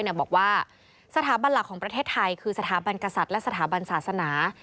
บอกว่าสถาบันหลักของประเทศไทยคือสถาบันกษัตริย์และสถาบันศาสนา